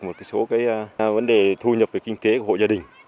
một số cái vấn đề thu nhập về kinh tế của hộ gia đình